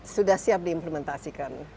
sudah siap diimplementasikan